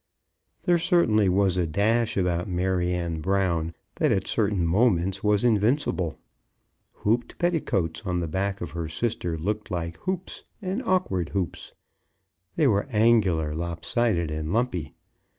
There certainly was a dash about Maryanne Brown that at certain moments was invincible. Hooped petticoats on the back of her sister looked like hoops, and awkward hoops. They were angular, lopsided, and lumpy.